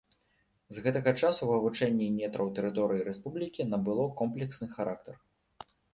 З гэтага часу вывучэнне нетраў тэрыторыі рэспублікі набыло комплексны характар.